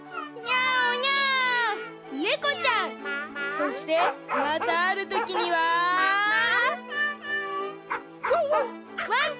そしてまたあるときには「ワンワン」。